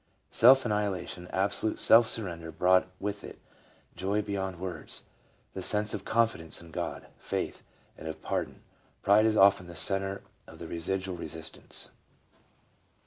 Self annihilation, absolute self surrender brought with it joy be yond words, the sense of confidence in God — Faith — and of pardon. Pride is often the centre of the residual resist ance.